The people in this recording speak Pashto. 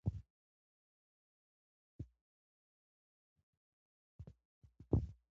د ګلدوزۍ هنر د ټوکر پر مخ د هیلو ګلان غوړوي.